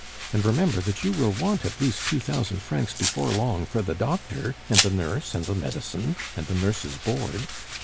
And remember that you will want at least two thousand francs before long for the doctor, and the nurse, and the medicine, and the nurse's board.